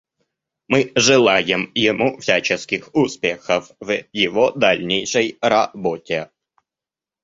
Мы желаем ему всяческих успехов в его дальнейшей работе.